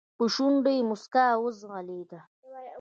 په شونډو يې موسکا وځغلېده.